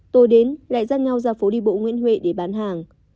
tôi đến lại giác nhau ra phố đi bộ nguyễn huệ để bán hàng